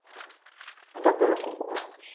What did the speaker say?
Bënga telé nkukuma.